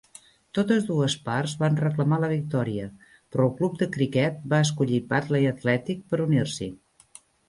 Totes dues parts van reclamar la victòria, però el club de criquet va escollir Batley Athletic per unir-s'hi.